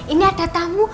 ini ada tamu